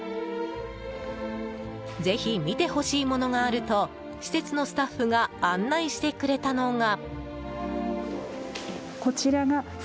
ぜひ見てほしいものがあると施設のスタッフが案内してくれたのが。